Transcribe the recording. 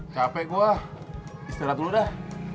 capek gue istirahat dulu dah